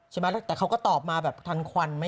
ใช่ไหมแต่เขาก็ตอบมาแบบทันควันไหม